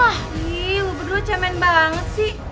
ih lo berdua cemen banget sih